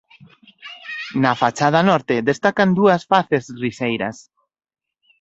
Na fachada norte destacan dúas faces riseiras.